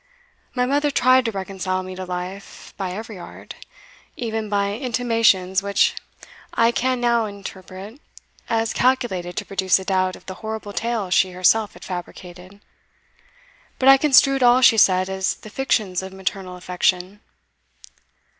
My mother tried to reconcile me to life by every art even by intimations which I can now interpret as calculated to produce a doubt of the horrible tale she herself had fabricated. But I construed all she said as the fictions of maternal affection.